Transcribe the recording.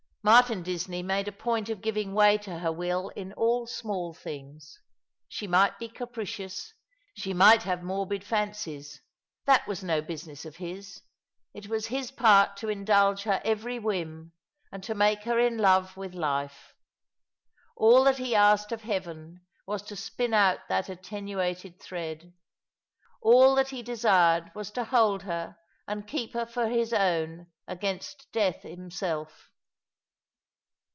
Martin Disney made a point of giving way to her will in all small things. She might be capricious, she might have morbid fancies. That was no business of his. It was his part to indulge her every whim, and to make her in love with life. ' All that he asked of Heaven was to spin out that attenuated thread. All that he desired was to hold her] and keep her for his own against Death himself.